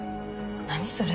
何それ。